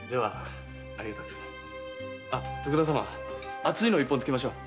熱いの一本つけましょう。